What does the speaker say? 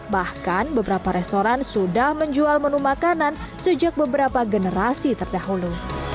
bahkan beberapa restoran sudah menjual menu makanan sejak beberapa generasi terdahulu